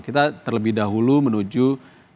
kita terlebih dahulu menuju